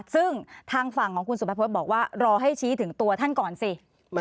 ซึ่งทางฝั่งของคุณสุภพฤษบอกว่ารอให้ชี้ถึงตัวท่านก่อนสิ